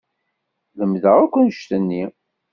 Lemdeɣ akk annect-nni.